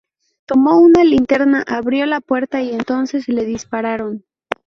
Tomó una linterna, abrió la puerta y entonces le dispararon".